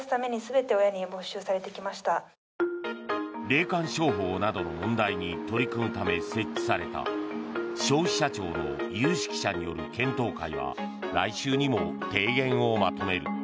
霊感商法などの問題に取り組むため設置された消費者庁の有識者による検討会は来週にも提言をまとめる。